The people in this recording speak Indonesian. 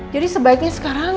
jadi sebaiknya sekarang